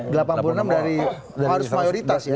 delapan puluh enam dari harus mayoritas ya